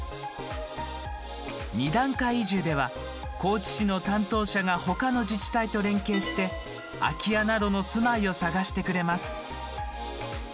二段階移住では高知市の担当者が他の自治体と連携して空き家などの住まいを探してくれます。